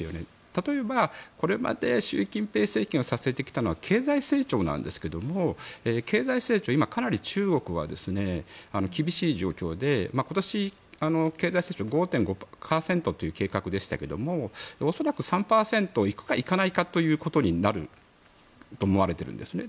例えば、これまで習近平政権を支えてきたのは経済成長なんですけど経済成長、今かなり中国は厳しい状況で今年、経済成長５．５％という計画でしたけど恐らく３％行くか行かないかということになると思われているんですね。